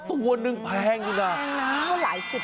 ตัวนึงแพงจริงอ่ะ